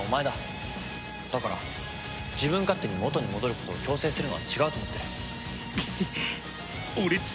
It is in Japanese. だから自分勝手に元に戻ることを強制するのは違うと思ってる。